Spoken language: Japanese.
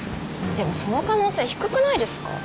でもその可能性低くないですか？